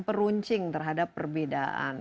peruncing terhadap perbedaan